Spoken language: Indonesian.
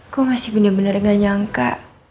gue masih bener bener gak nyangka